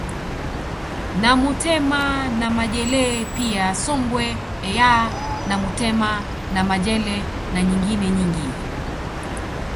Namutema na majelee pia sombwe eyaaa namutema na majele na nyingine nyingi